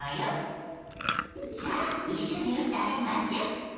さあ一緒に歌いましょ。